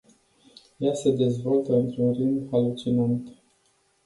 Ea se dezvoltă într-un ritm halucinant.